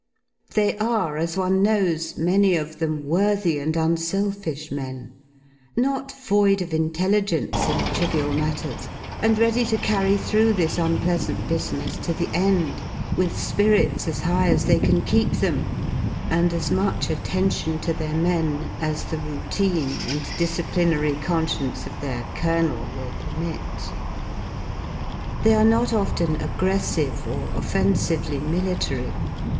They are, as one knows, many of them worthy and unselfish men, not void of intelligence in trivial matters, and ready to carry through this unpleasant business to the end, with spirits as high as they can keep them, and as much 55 attention to their men as the routine and disciplinary con science of their colonel will permit. They are not often aggressive or offensively military.